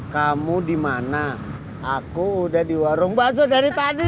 kamu dimana aku udah di warung baso dari tadi